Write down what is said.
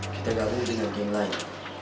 kita gabungin dengan game lain